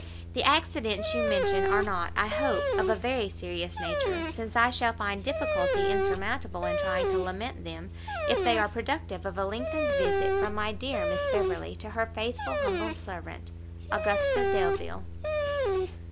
The accidents you mention are not, I hope, of a very serious nature, since I shall find difficulty insurmountable in trying to lament them, if they are productive of a lengthened visit from my dear Miss Beverley to her Faithful humble servant, AUGUSTA DELVILE.